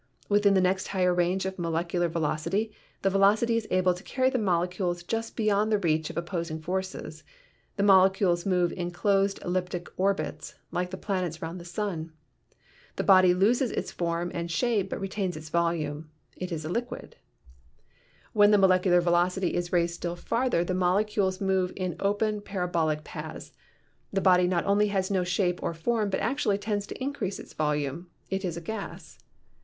Within the next higher range of molecular velocity the velocity is able to carry the molecules just beyond the reach of opposing forces; the molecules move in closed elliptic orbits (like the planets round the sun) ; the body loses its form and shape, but retains its volume; it is a liquid. When the 48 PHYSICS molecular velocity is raised still farther the molecules move in open parabolic paths; the body not only has no shape or form, but actually tends to increase its volume; it is a gas."